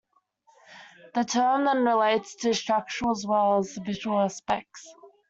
The term then relates to structural as well as visual aspects.